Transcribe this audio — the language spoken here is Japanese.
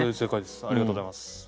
ありがとうございます。